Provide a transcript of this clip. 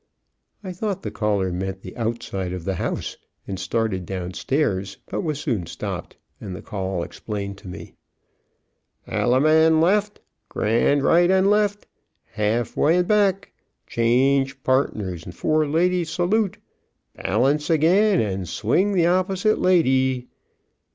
I thought the caller meant the outside of the house, and started down stairs, but was soon stopped, and the call explained to me. "Alaman left! grand right and left! half way and back change partners, and four ladies salute! balance again and swing the opposite lady!"